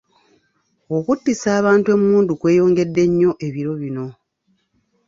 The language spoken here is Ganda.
Okuttisa abantu emmundu kweyongedde nnyo ebiro bino.